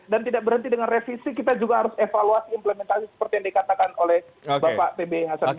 dan tidak berhenti dengan revisi kita juga harus evaluasi implementasi seperti yang dikatakan oleh pak t b